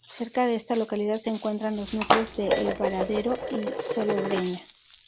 Cerca de esta localidad se encuentran los núcleos de El Varadero y Salobreña.